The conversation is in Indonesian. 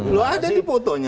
loh ada di fotonya